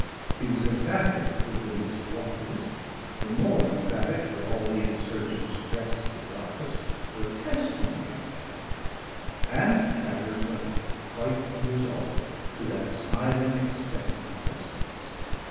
She was emphatic with the "Miss Waters," the more emphatic for all the insurgent stress of the goddess, protestingly emphatic. And Chatteris went up, white and resolved, to that smiling expectant presence.